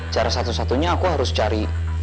cara satu satunya aku harus cari